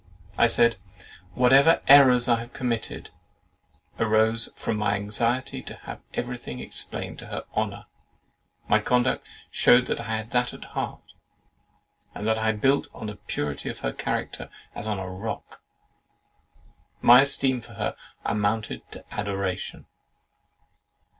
I said, Whatever errors I had committed, arose from my anxiety to have everything explained to her honour: my conduct shewed that I had that at heart, and that I built on the purity of her character as on a rock. My esteem for her amounted to adoration.